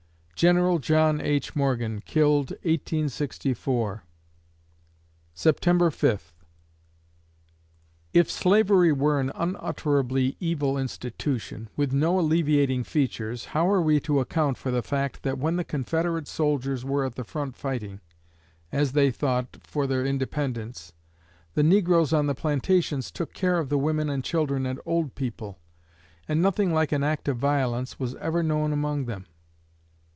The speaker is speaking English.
General John H. Morgan killed, 1864 September Fifth If slavery were an unutterably evil institution, with no alleviating features, how are we to account for the fact that when the Confederate soldiers were at the front fighting, as they thought, for their independence, the negroes on the plantations took care of the women and children and old people, and nothing like an act of violence was ever known among them?...